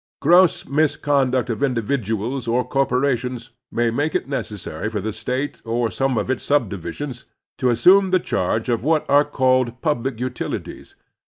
Gross misconduct of individuals or cor porations may make it necessary for the State or some of its subdivisions to assiune the charge of what are called public utilities.